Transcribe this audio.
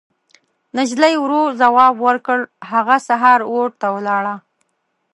نجلۍ ورو ځواب ورکړ: هغه سهار اور ته ولاړه.